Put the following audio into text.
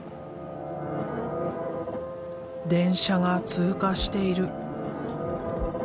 電車が通過している。